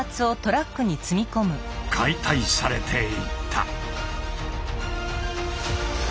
解体されていった。